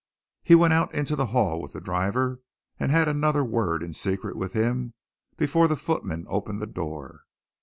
He went out into the hall with the driver, and had another word in secret with him before the footman opened the door.